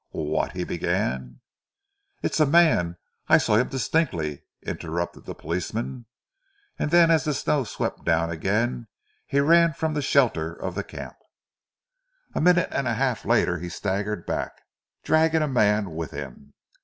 "What " he began. "It's a man. I saw him distinctly," interrupted the policeman, and then as the snow swept down again he ran from the shelter of the camp. A minute and a half later he staggered back, dragging a man with him.